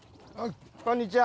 こんにちは。